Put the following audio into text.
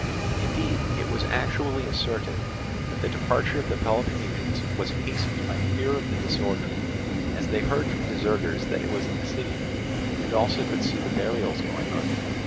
Indeed it was actually asserted that the departure of the Peloponnesians was hastened by fear of the disorder; as they heard from deserters that it was in the city, and also could see the burials going on.